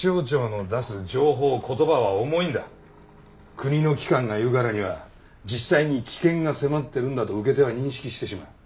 国の機関が言うからには実際に危険が迫ってるんだと受け手は認識してしまう。